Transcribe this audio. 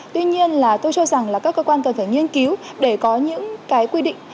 tuy nhiên là tôi cho rằng là các cơ quan cần phải nghiên cứu để có những cái quy định